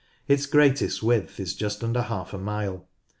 Its greatest width is just under half a mile.